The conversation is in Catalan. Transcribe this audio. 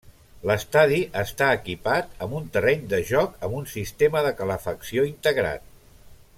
L'estadi està equipat amb un terreny de joc amb un sistema de calefacció integrat.